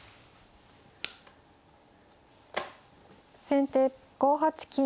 先手５八金。